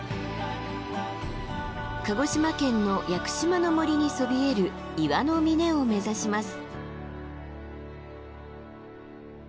鹿児島県の屋久島の森にそびえる岩の峰を目指します。